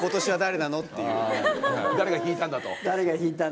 誰が引いたんだ？と。